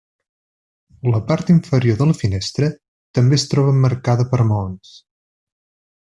La part inferior de la finestra també es troba emmarcada per maons.